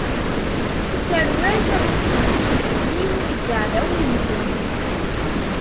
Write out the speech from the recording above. Tarwa-k ad ṭṭfen timdinin n yeɛdawen-nsen.